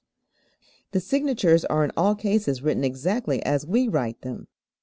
The signatures are in all cases written exactly as we write them.